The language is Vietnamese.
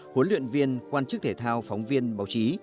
huấn luyện viên quan chức thể thao phóng viên báo chí